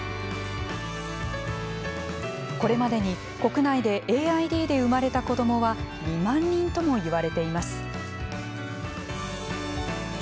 これまでに、国内でＡＩＤで生まれた子どもは２万人とも言われています。